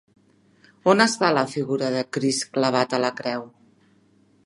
On està la figura de Crist clavat a la creu?